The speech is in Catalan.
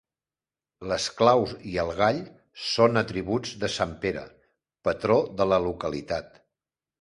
Les claus i el gall són atributs de sant Pere, patró de la localitat.